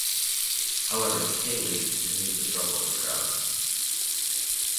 However, the K League continued to struggle for crowds.